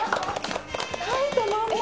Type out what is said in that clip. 書いたまんま。